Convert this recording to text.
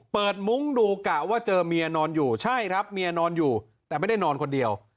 มุ้งดูกะว่าเจอเมียนอนอยู่ใช่ครับเมียนอนอยู่แต่ไม่ได้นอนคนเดียว